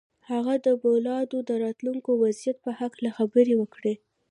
هغه د پولادو د راتلونکي وضعيت په هکله خبرې وکړې.